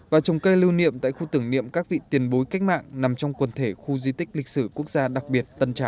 và trồng cây lưu niệm tại khu tưởng niệm các vị tiền bối cách mạng nằm trong quần thể khu di tích lịch sử quốc gia đặc biệt tân trào